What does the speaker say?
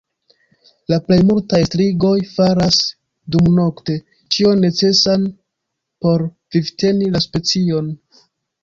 La plej multaj strigoj faras dumnokte ĉion necesan por vivteni la specion.